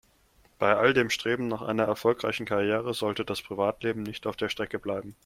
Bei all dem Streben nach einer erfolgreichen Karriere sollte das Privatleben nicht auf der Strecke bleiben.